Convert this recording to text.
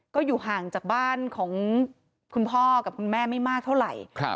ก็อยู่ห่างจากบ้านของคุณพ่อกับคุณแม่ไม่มากเท่าไหร่